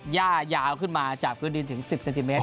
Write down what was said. ย่ายาวขึ้นมาจากพื้นดินถึง๑๐เซนติเมต